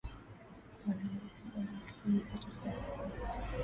Mwanabiashara amepata faida kubwa